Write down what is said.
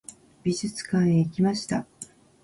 美術館へ行きました。